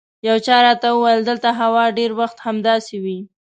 یو چا راته وویل دلته هوا ډېر وخت همداسې وي.